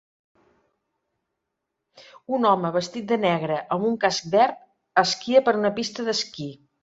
Un home vestit de negre amb un casc verd esquia per una pista d'esquí.